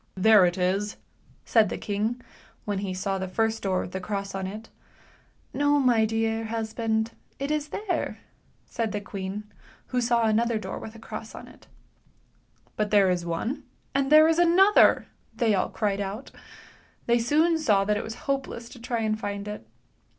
" There it is," said the king, when he saw the first door with the cross on it. " No, my dear husband, it is there," said the queen, who saw another door with a cross on it. : 8 ANDERSEN'S FAIRY TALES " But there is one. and there is another! " they all cried out. Thev soon saw that it was hopeless to try and find it.